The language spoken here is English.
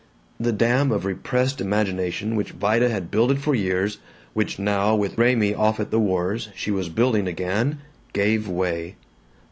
The dam of repressed imagination which Vida had builded for years, which now, with Raymie off at the wars, she was building again, gave way.